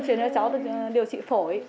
chuyển cho cháu điều trị phổi